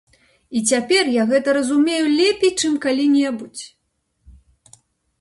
І цяпер я гэта разумею лепей, чым калі-небудзь.